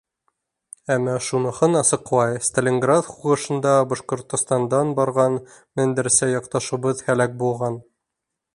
Әммә шуныһын асыҡлай: Сталинград һуғышында Башҡортостандан барған меңдәрсә яҡташыбыҙ һәләк булған.